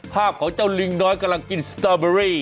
ภาพของเจ้าลิงน้อยกำลังกินสตอเบอรี่